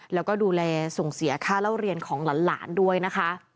แล้วก็ดูแลส่งเสียค่าเล่าเรียนของหลานด้วยนะคะ